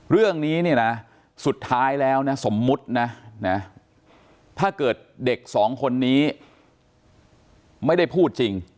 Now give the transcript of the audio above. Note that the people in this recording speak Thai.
เรื่องนี้สุดท้ายแล้วสมมติถ้าเด็ก๒คนนี้ไม่ได้พูดจริง